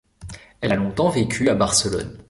Elle a longtemps vécu à Barcelone.